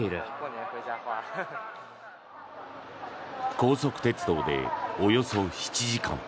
高速鉄道で、およそ７時間。